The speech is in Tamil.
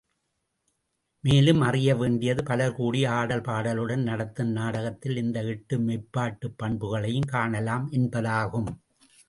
மேலும் அறியவேண்டியது பலர் கூடி ஆடல் பாடலுடன் நடத்தும் நாடகத்தில் இந்த எட்டு மெய்ப்பாட்டுப் பண்புகளையும் காணலாம் என்பதாகும்.